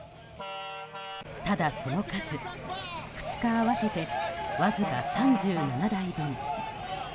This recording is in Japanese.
ただ、その数２日合わせてわずか３７台分。